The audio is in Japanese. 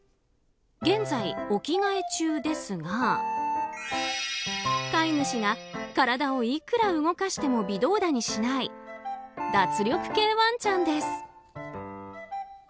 現在、お着替え中ですが飼い主が、体をいくら動かしても微動だにしない脱力系ワンちゃんです。